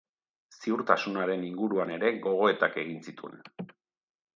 Ziurtasunaren inguruan ere gogoetak egin zituen.